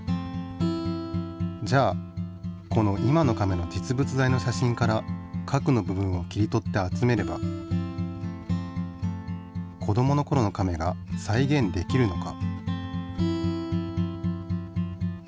じゃあこの今のカメの実物大の写真から核の部分を切り取って集めれば子どものころのカメがさいげんできるのか？